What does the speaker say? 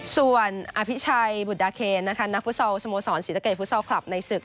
ส่วนอภิชัยบุตดาเคนนะคะนักฟุตซอลสโมสรศรีสะเกดฟุตซอลคลับในศึก